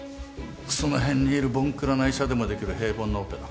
その辺にいるボンクラな医者でもできる平凡なオペだ。